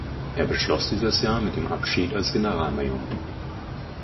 Er beschloss dieses Jahr mit dem Abschied als Generalmajor.